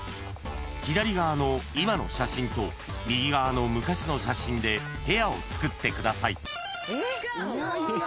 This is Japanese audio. ［左側の今の写真と右側の昔の写真でペアを作ってください］